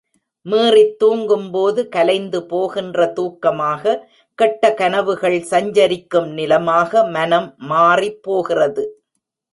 மீறித் தூங்கும்போது கலைந்து போகின்ற தூக்கமாக, கெட்ட கனவுகள் சஞ்சரிக்கும் நிலமாக மனம் மாறிப்போகிறது.